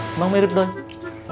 memang mirip don